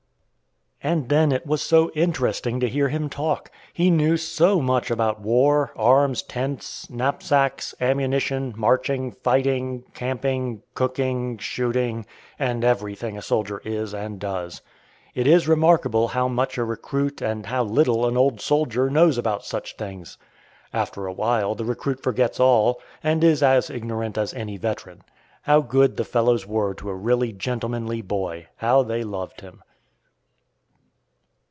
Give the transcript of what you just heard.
And then it was so interesting to hear him talk. He knew so much about war, arms, tents, knapsacks, ammunition, marching, fighting, camping, cooking, shooting, and everything a soldier is and does. It is remarkable how much a recruit and how little an old soldier knows about such things. After a while the recruit forgets all, and is as ignorant as any veteran. How good the fellows were to a really gentlemanly boy! How they loved him!